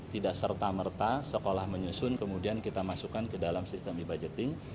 tidak serta merta sekolah menyusun kemudian kita masukkan ke dalam sistem e budgeting